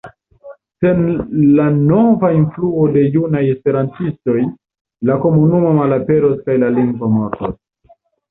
Sen la nova enfluo de junaj esperantistoj, la komunumo malaperos kaj la lingvo mortos.